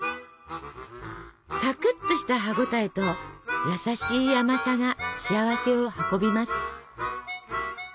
サクッとした歯応えと優しい甘さが幸せを運びます。